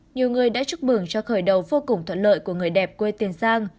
nhiều người đã chúc mừng cho khởi đầu vô cùng thuận lợi của người đẹp quê tiền giang